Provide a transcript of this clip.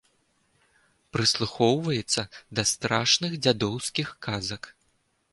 Прыслухоўваецца да страшных дзядоўскіх казак.